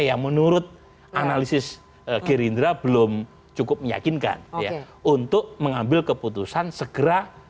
yang menurut analisis gerindra belum cukup meyakinkan untuk mengambil keputusan segera